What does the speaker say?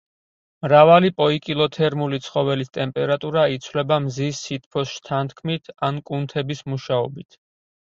მრავალი პოიკილოთერმული ცხოველის ტემპერატურა იცვლება მზის სითბოს შთანთქმით ან კუნთების მუშაობით.